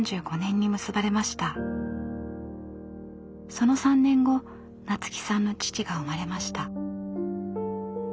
その３年後菜津紀さんの父が生まれました。